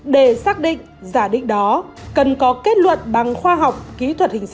để xác định giả định đó cần có kết luận bằng khoa học kỹ thuật hình sự